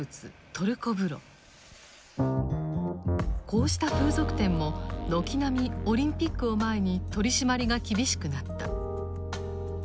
こうした風俗店も軒並みオリンピックを前に取締りが厳しくなった。